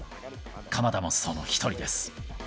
鎌田もその一人です。